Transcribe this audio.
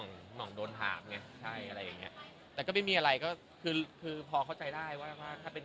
ก็แม่ก็ชวนไปเที่ยวด้วยกัน